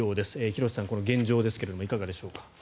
廣瀬さん、この現状ですがいかがでしょうか。